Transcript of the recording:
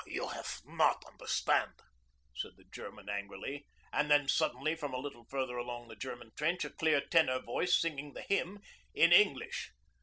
'You haf not understand,' said the German angrily, and then suddenly from a little further along the German trench a clear tenor rose, singing the Hymn in English.